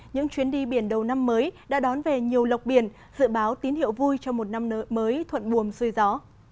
những chuyến đi biển đầu năm mới đã đón về nhiều lọc biển dự báo tín hiệu vui cho một năm mới thuận buồm xuôi gió